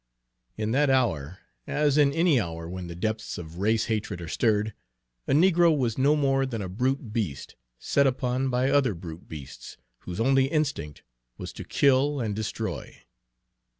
In that hour, as in any hour when the depths of race hatred are stirred, a negro was no more than a brute beast, set upon by other brute beasts whose only instinct was to kill and destroy.